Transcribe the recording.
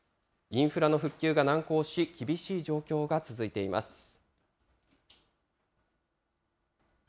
インフラの復旧が難航し、厳しい状況が続いています。